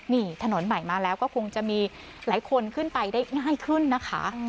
นี่ถนนใหม่มาแล้วก็คงจะมีหลายคนขึ้นไปได้ง่ายขึ้นนะคะ